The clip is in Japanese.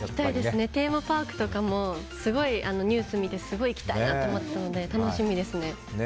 テーマパークとかもニュース見てすごい行きたいなと思ったので楽しみですね。